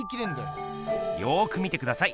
よく見てください。